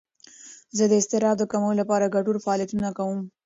زه د اضطراب د کمولو لپاره ګټور فعالیتونه کوم.